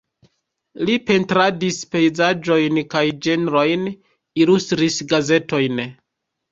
Li pentradis pejzaĝojn kaj ĝenrojn, ilustris gazetojn.